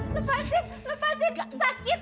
lepasin lepasin sakit